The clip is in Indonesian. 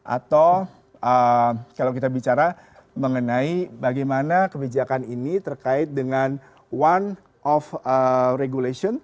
atau kalau kita bicara mengenai bagaimana kebijakan ini terkait dengan one of regulation